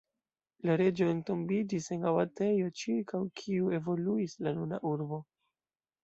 La reĝo entombiĝis en abatejo ĉirkaŭ kiu evoluis la nuna urbo.